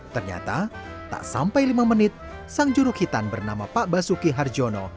ternyata tak sampai lima menit sang juruk hitam bernama pak basuki harjono